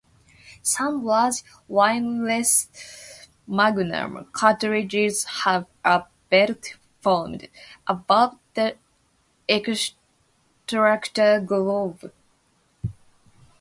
Some large rimless magnum cartridges have a belt formed above the extractor groove.